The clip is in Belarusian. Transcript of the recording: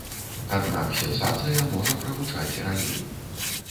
Аднак сенсацыя можа прагучаць раней.